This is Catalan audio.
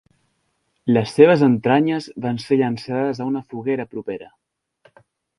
Les seves entranyes van ser llançades a una foguera propera.